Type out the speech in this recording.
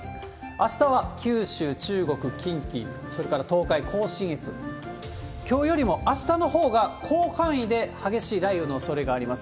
あしたは九州、中国、近畿、それから東海、甲信越、きょうよりもあしたのほうが広範囲で激しい雷雨のおそれがあります。